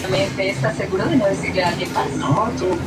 La carretera sirve de acceso a San Martín del Tesorillo desde el oeste.